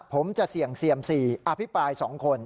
ผมจะเสี่ยงเซียม๔อภิปราย๒คน